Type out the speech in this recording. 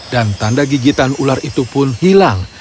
dan tanda gigitan ular itu pun hilang